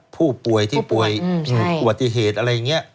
ผู้ป่วยที่ป่วยผู้ป่วยอืมใช่อวติเหตุอะไรอย่างเงี้ย